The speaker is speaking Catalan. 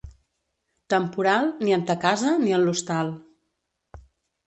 Temporal, ni en ta casa, ni en l'hostal.